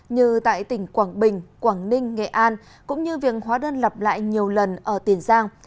như tại tỉnh quảng bình quảng ninh nghệ an cũng như việc hóa đơn lập lại nhiều lần ở tiền giang